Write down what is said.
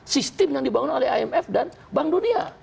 sistem yang dibangun oleh imf dan bank dunia